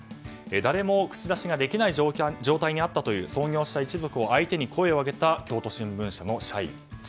誰も口出しができない状態にあったという創業者一族を相手に声を上げた京都新聞社の社員。